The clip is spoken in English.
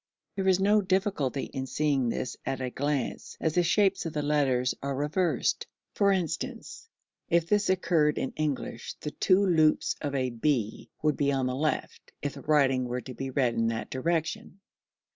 There is no difficulty in seeing this at a glance, as the shapes of the letters are reversed; for instance, if this occurred in English the two loops of a B would be on the left, if the writing were to be read in that direction, [Symbol: reverse B].